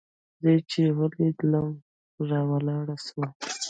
زه چې يې وليدلم راولاړ سو.